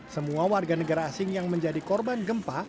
semua warga negara asing yang menjadi korban gempa